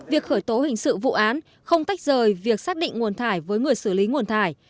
việc khởi tố hình sự vụ án không tách rời việc xác định nguồn thải với người xử lý nguồn thải